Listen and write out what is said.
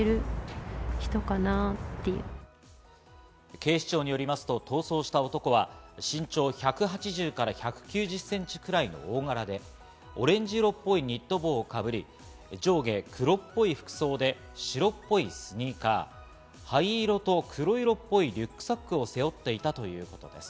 警視庁によりますと、逃走した男は身長１８０から１９０センチくらいの大柄で、オレンジ色っぽいニット帽をかぶり、上下黒っぽい服装で白っぽいスニーカ−、灰色と黒色っぽいリュックサックを背負っていたということです。